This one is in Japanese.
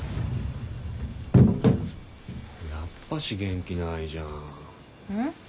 やっぱし元気ないじゃん。